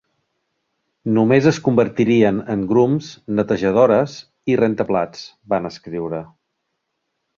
Només es convertirien en grums, netejadores i rentaplats, van escriure.